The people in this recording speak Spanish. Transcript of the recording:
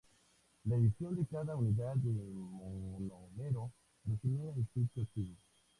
La adición de cada unidad de monómero regenera el sitio activo.